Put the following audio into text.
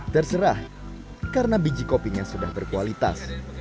terserah karena biji kopinya sudah berkualitas